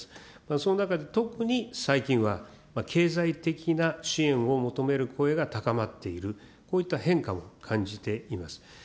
その中で特に、最近は経済的な支援を求める声が高まっている、こういった変化も感じています。